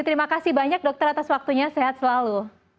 terima kasih banyak dokter atas waktunya sehat selalu